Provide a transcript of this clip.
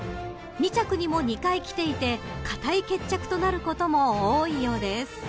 ［２着にも２回きていて堅い決着となることも多いようです］